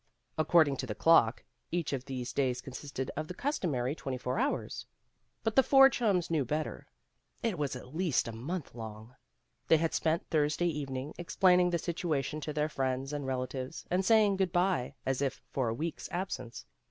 According to the clock, each of these days consisted of the customary twenty four hours. But the four chums knew better. It was at least a month long. They had spent Thursday evening explaining the situation to their friends and relatives and say ing good by as if for a week's absence.